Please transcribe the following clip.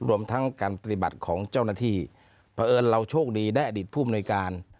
รวมทั้งการปฏิบัติของเจ้าหน้าที่เพราะเอิญเราโชคดีได้อดีตผู้อำนวยการ